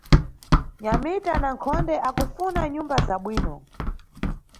Nyamita na Nkhonde akufuna nyumba za bwino